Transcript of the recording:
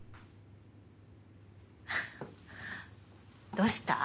どうした？